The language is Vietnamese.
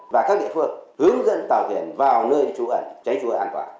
và các địa phương hướng dẫn tàu thuyền vào nơi trú ẩn tránh trú ẩn an toàn